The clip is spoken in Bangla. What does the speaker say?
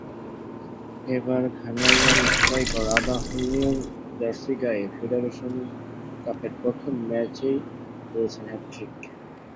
এবার ঘানাইয়ান স্ট্রাইকার আবাহনীর জার্সি গায়ে ফেডারেশন কাপের প্রথম ম্যাচেই করেছেন হ্যাটট্রিক।